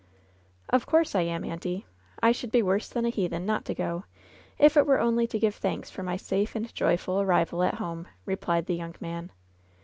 '* "Of course I am, auntie. I should be worse than a heathen not to go, if it were only to give thanks for my safe and joyful arrival at home," replied the young man.